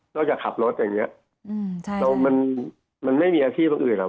นอกจากขับรถอย่างนี้มันไม่มีอาชีพอื่นหรอก